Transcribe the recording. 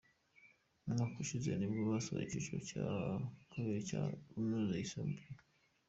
Umwaka ushize nibwo basoje icyiciro cya kabiri cy’amashuri yisumbuye.